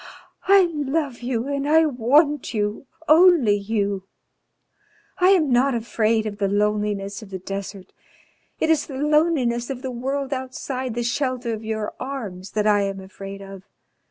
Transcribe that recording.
I love you and I want you only you. I am not afraid of the loneliness of the desert, it is the loneliness of the world outside the shelter of your arms that I am afraid of.